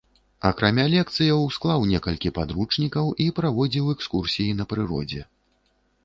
Акрамя лекцыяў, склаў некалькі падручнікаў і праводзіў экскурсіі на прыродзе.